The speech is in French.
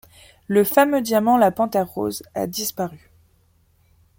Le fameux diamant la Panthère rose a disparu.